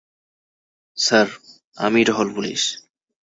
Sir আমি টহল police.